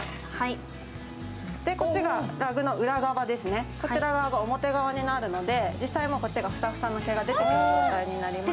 こっちがラグの裏側ですね、こちらが表側になるので実際こっちがふさふさの毛が出ている状態になります。